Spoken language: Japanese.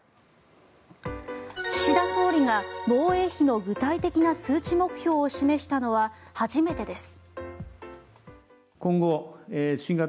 岸田総理が、防衛費の具体的な数値目標を示したのは初めてです。